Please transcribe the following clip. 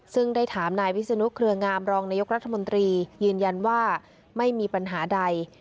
ซึ่งได้ถามนายวิศนุเครืองามรองนายกรัฐมนตรียืนยันว่าไม่มีปัญหาใด